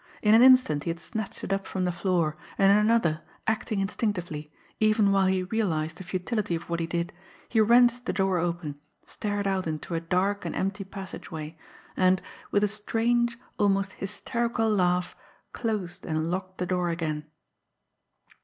In an instant he had snatched it up from the floor, and in another, acting instinctively, even while he realised the futility of what he did, he wrenched the door open, stared out into a dark and empty passageway and, with a strange, almost hysterical laugh, closed and locked the door again.